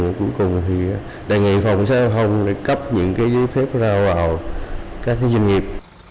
và cuối cùng thì đề nghị phòng xe giao thông để cấp những giấy phép ra vào các doanh nghiệp